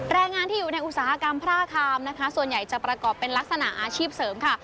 แรงงานที่อยู่ในอุตสาหกรรมพระอาคามนะคะส่วนใหญ่จะประกอบเป็นลักษณะอาชีพเสริมค่ะ